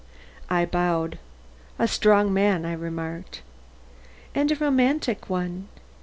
I bowed. "A strong man," I remarked. "And a romantic one.